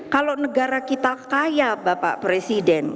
kalau negara kita kaya bapak presiden